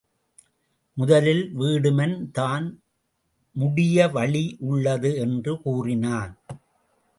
முதலில் வீடுமன் தான் முடிய வழி உள்ளது என்று கூறினான்.